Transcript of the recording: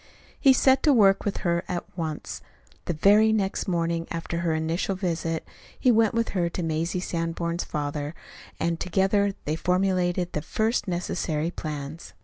He set to work with her at once. The very next morning after her initial visit, he went with her to Mazie Sanborn's father, and together they formulated the first necessary plans.